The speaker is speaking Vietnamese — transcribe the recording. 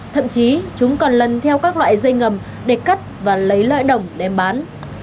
thậm chí chúng còn lần theo các loại dây ngầm để cắt và lấy lõi đồng đem bán